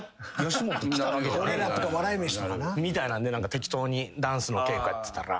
適当にダンスの稽古やってたら。